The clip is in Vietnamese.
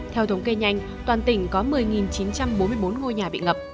theo thống kê nhanh toàn tỉnh có một mươi chín trăm bốn mươi bốn ngôi nhà bị ngập